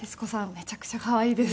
めちゃくちゃ可愛いです。